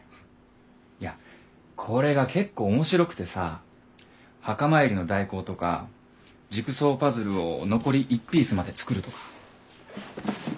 いやこれが結構面白くてさ墓参りの代行とかジグソーパズルを残り１ピースまで作るとか。